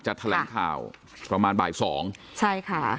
จะแถลงข่าวประมาณบ่าย๒ค่ะ